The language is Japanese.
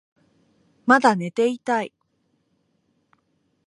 まだ寝ていたい